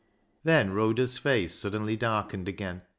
Then Rhoda's face suddenly darkened again.